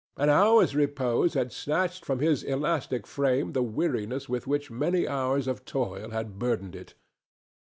An hour's repose had snatched from his elastic frame the weariness with which many hours of toil had burdened it.